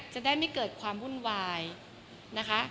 จะได้ไม่เกิดความวุ่นวายนะคะ